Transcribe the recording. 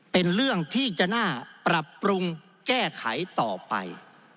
เป็นเรื่องที่จะน่าปรับปรุงแก้ไขต่อไป